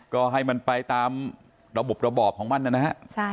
ก็ให้มันไปตามระบบหน้าบอบของมันโน้น